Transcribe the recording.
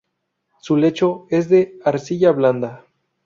Su lecho es de arcilla blanda.